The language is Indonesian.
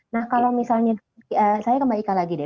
nah kalau misalnya saya ke mbak ika lagi deh